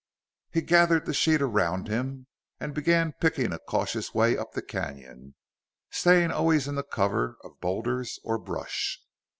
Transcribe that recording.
He gathered the sheet around him, and began picking a cautious way up the canyon, staying always in the cover of boulders or brush.